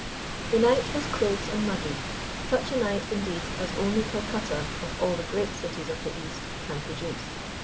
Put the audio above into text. * The night was close and muggy, such a night, indeed, as only Calcutta, of all the great cities of the East, can produce.